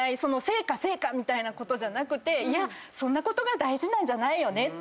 成果成果みたいなことじゃなくてそんなこと大事なんじゃないよねって皆さん癒やされる。